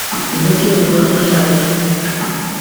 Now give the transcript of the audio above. No tiene hojas basales.